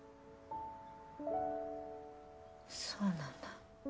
そうなんだ。